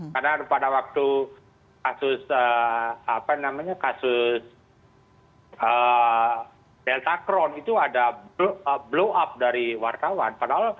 karena pada waktu kasus delta crohn itu ada blow up dari wartawan